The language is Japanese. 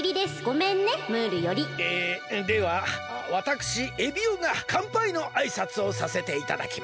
えではわたくしエビオがかんぱいのあいさつをさせていただきます。